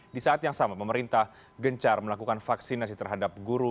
di saat yang sama pemerintah gencar melakukan vaksinasi terhadap guru